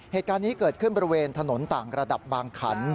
เหตุการณ์นี้เกิดขึ้นบริเวณถนนต่างระดับบางขัน